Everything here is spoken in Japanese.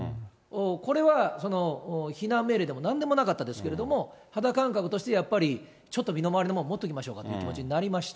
これは、避難命令でもなんでもなかったですけれども、肌感覚として、やっぱりちょっと身の回りの物持っておきましょうかという気持ちになりました。